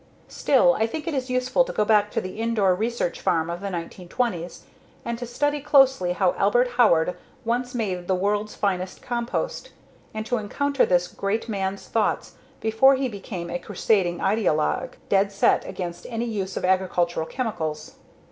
Still, I think it is useful to go back to the Indore research farm of the 1920s and to study closely how Albert Howard once made the world's finest compost, and to encounter this great man's thoughts before he became a crusading ideologue, dead set against any use of agricultural chemicals.